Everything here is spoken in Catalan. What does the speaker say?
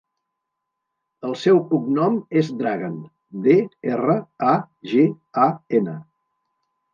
El seu cognom és Dragan: de, erra, a, ge, a, ena.